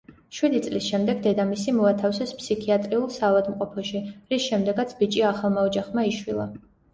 შვიდი წლის შემდეგ, დედამისი მოათავსეს ფსიქიატრიულ საავადმყოფოში, რის შემდეგაც ბიჭი ახალმა ოჯახმა იშვილა.